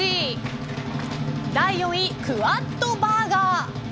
第４位、クアッドバーガー。